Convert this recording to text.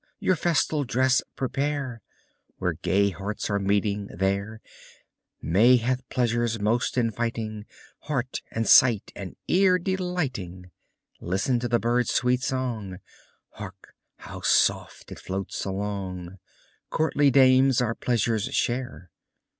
your festal dress prepare! Where gay hearts are meeting, there May hath pleasures most inviting Heart, and sight, and ear delighting: Listen to the bird's sweet song. Hark! how soft it floats along! Courtly dames our pleasures share.